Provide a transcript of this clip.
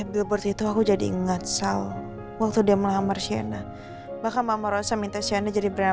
beb feather cable yang ada pada di depan